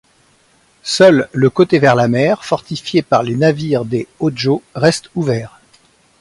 Seul le côté vers la mer, fortifié par les navires des Hōjō, reste ouvert.